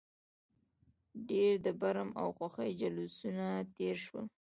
ډېر د برم او خوښۍ جلوسونه تېر شول.